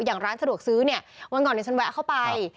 อย่างร้านสะดวกซื้อเนี่ยวันก่อนฉันแวะเข้าไป